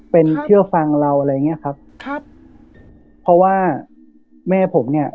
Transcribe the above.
เป็นเชื่อฟังเราอะไรอย่างเงี้ยครับครับเพราะว่าแม่ผมเนี้ย